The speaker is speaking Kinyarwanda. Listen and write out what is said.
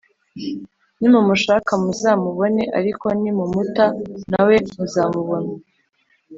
Nimumushaka muzamubona ariko nimumuta na we muzabona